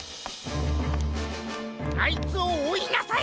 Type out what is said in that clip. あいつをおいなさい！